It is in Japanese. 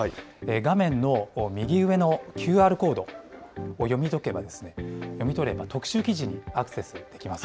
画面の右上のＱＲコードを読み取れば、特集記事にアクセスできま